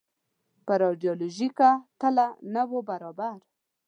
پر ایډیالوژیکه تله نه وو برابر.